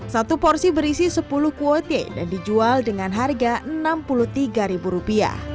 satu porsi berisi sepuluh kuotie dan dijual dengan harga rp enam puluh tiga